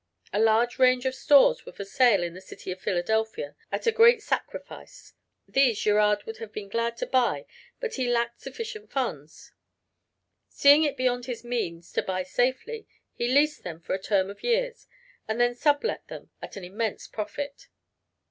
A large range of stores were for sale in the city of Philadelphia at a great sacrifice; these Girard would have been glad to buy but he lacked sufficient funds; seeing it beyond his means to buy safely, he leased them for a term of years and then sublet them at an immense profit.